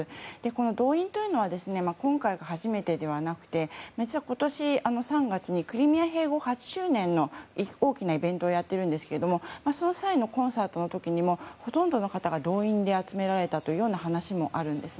この動員というのは今回が初めてではなくて実は今年３月にクリミア併合８周年の大きなイベントをやっていますがその際のコンサートでもほとんどの方が動員で集められたという話もあるんです。